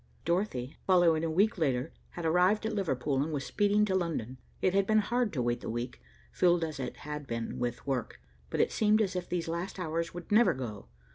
Dorothy, following a week later, had arrived at Liverpool and was speeding to London. It had been hard to wait the week, filled as it had been with work, but it seemed as if these last hours would never go.